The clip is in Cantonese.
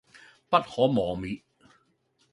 不可磨滅